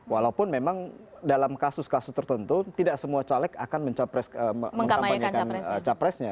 walaupun memang dalam kasus kasus tertentu tidak semua caleg akan mengkampanyekan capresnya